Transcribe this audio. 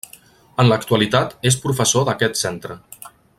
En l'actualitat és professor d'aquest centre.